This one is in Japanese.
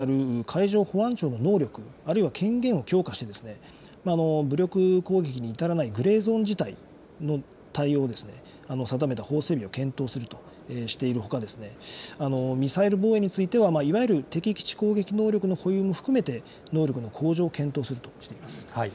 それから領海警備に当たる海上保安庁の能力、あるいは権限を強化して、武力攻撃に至らないグレーゾーン地帯の対応を定めた法整備を検討するとしているほか、ミサイル防衛については、いわゆる敵基地攻撃能力の保有も含めて、能力の向上を検討するとしています。